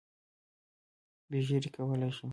بې ږیرې کولای شم.